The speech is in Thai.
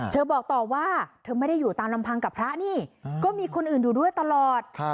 บอกต่อว่าเธอไม่ได้อยู่ตามลำพังกับพระนี่ก็มีคนอื่นอยู่ด้วยตลอด